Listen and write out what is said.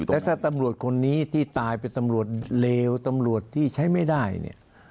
แล้วถ้าตำรวจคนนี้ที่ตายเป็นตำรวจเลวตำรวจที่ใช้ไม่ได้เนี่ย